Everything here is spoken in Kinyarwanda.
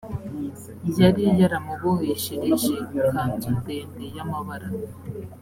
yari yaramuboheshereje ikanzu ndende y amabara